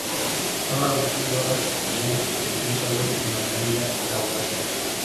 Son arbustos de hojas perennes y pequeños árboles en la familia Lauraceae.